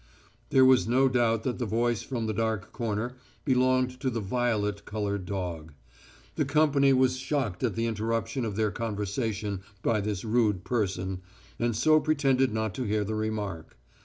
There was no doubt that the voice from the dark corner belonged to the violet coloured dog. The company was shocked at the interruption of their conversation by this rude person, and so pretended not to hear the remark.